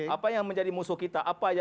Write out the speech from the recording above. apa yang menjadi musuh kita